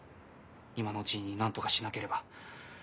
今のうちに何とかしなければ。